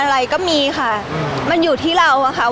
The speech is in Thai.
พี่ตอบได้แค่นี้จริงค่ะ